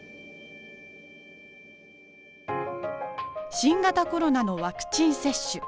新型コロナのワクチン接種。